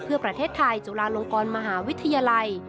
เพื่อประเทศไทยจุฬาลงกรมหาวิทยาลัย